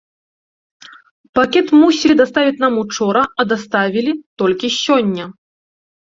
Пакет мусілі даставіць нам учора, а даставілі толькі сёння.